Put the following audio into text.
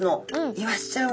イワシちゃん。